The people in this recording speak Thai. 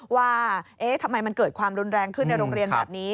ว่าทำไมมันเกิดความรุนแรงขึ้นในโรงเรียนแบบนี้